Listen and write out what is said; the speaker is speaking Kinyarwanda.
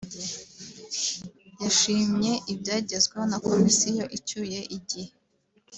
yashimye ibyagezweho na Komisiyo icyuye igihe